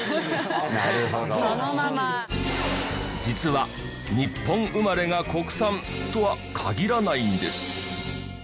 実は日本生まれが国産とは限らないんです。